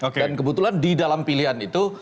dan kebetulan di dalam pilihan itu